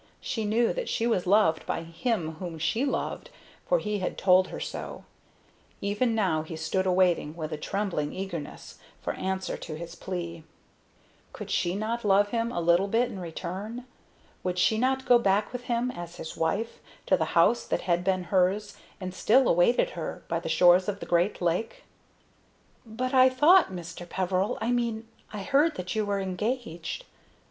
She knew that she was loved by him whom she loved, for he had told her so. Even now he stood awaiting, with trembling eagerness, her answer to his plea. Could she not love him a little bit in return? Would she not go back with him, as his wife, to the house that had been hers, and still awaited her, by the shore of the great lake? "But I thought, Mr. Peveril I mean, I heard that you were engaged?"